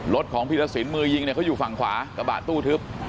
รถของพีรสินมือยิงเนี่ยเขาอยู่ฝั่งขวากระบะตู้ทึบ